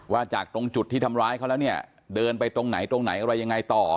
จากตรงจุดที่ทำร้ายเขาแล้วเนี่ยเดินไปตรงไหนตรงไหนอะไรยังไงต่อ